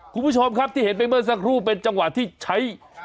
คุณผู้ชมครับที่เห็นไปเมื่อสักครู่เป็นจังหวะที่ใช้